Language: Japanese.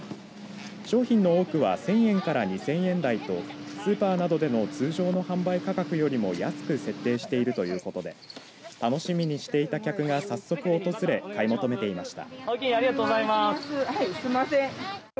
商品の多くは１０００円から２０００円台とスーパーなどでの通常の販売価格よりも安く設定しているということで楽しみにしていた客が早速訪れ買い求めていました。